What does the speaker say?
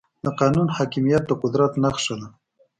د قانون حاکميت د قدرت نښه ده.